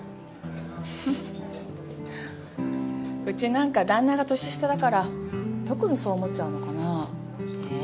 うちなんか旦那が年下だから特にそう思っちゃうのかなぁ。